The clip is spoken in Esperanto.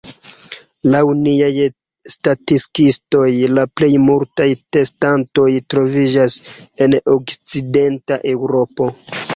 Laŭ niaj statikistoj, la plej multaj testantoj troviĝas en okcidenta Eŭropo.